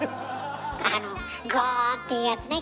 あのゴォーっていうやつね。